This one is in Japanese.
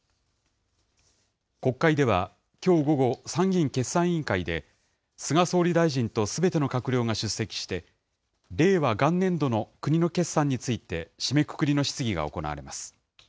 国会ではきょう午後、参議院決算委員会で、菅総理大臣とすべての閣僚が出席して、令和元年度の国の決算について、締めくくりの質疑が行われます。